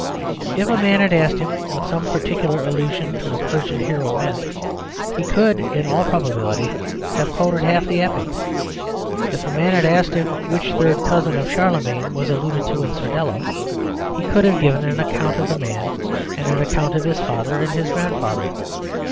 If a man had asked him what some particular allusion to a Persian hero meant he could in all probability have quoted half the epic; if a man had asked him which third cousin of Charlemagne was alluded to in Sordello, he could have given an account of the man and an account of his father and his grandfather.